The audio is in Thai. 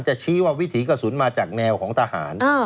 ชี้ว่าวิถีกระสุนมาจากแนวของทหาร